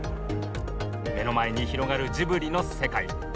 目の前に広がるジブリの世界。